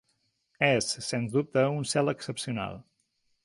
És, sens dubte, un cel excepcional.